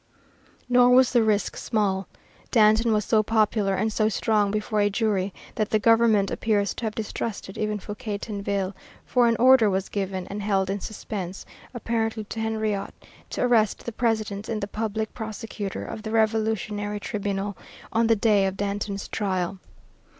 Nor was the risk small. Danton was so popular and so strong before a jury that the government appears to have distrusted even Fouquier Tinville, for an order was given, and held in suspense, apparently to Henriot, to arrest the President and the Public Prosecutor of the Revolutionary Tribunal, on the day of Danton's trial.